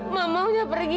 mama udah pergi